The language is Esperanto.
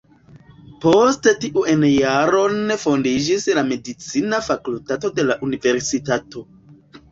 Poste tiun jaron fondiĝis la medicina fakultato de la universitato.